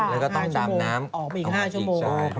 แล้วก็ต้องจามน้ำออกไปอีก๕ชั่วโมง